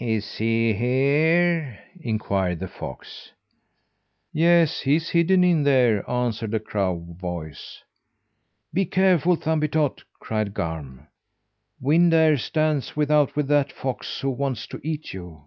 "Is he here?" inquired the fox. "Yes, he's hidden in there," answered a crow voice. "Be careful, Thumbietot!" cried Garm. "Wind Air stands without with that fox who wants to eat you."